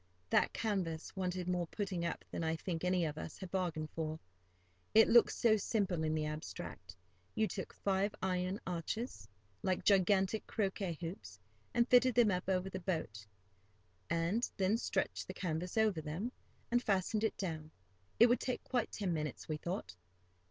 That canvas wanted more putting up than I think any of us had bargained for. It looked so simple in the abstract. You took five iron arches, like gigantic croquet hoops, and fitted them up over the boat, and then stretched the canvas over them, and fastened it down: it would take quite ten minutes, we thought.